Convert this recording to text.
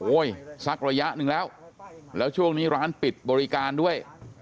สักระยะหนึ่งแล้วแล้วช่วงนี้ร้านปิดบริการด้วย